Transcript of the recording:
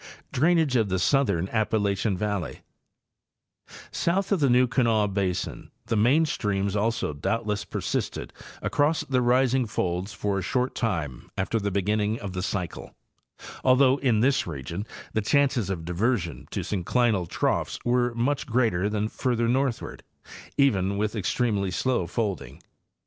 Drainage of the southern Appalachian Valley—South of the New Kanawha basin the main streams also doubtless persisted across the rising folds for a short time after the beginning of the cycle, although in this region the chances of diversion to synclinal troughs were much greater than farther northward, even with ex tremely slow folding.